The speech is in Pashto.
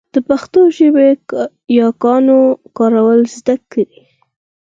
د پښتو ژبې ياګانو کارول زده کړئ.